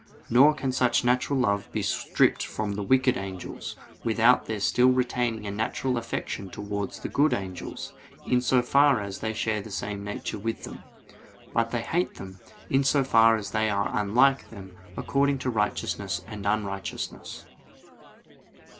Nor can such natural love be stripped from the wicked angels, without their still retaining a natural affection towards the good angels, in so far as they share the same nature with them. But they hate them, in so far as they are unlike them according to righteousness and unrighteousness.